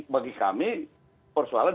bagi kami persoalan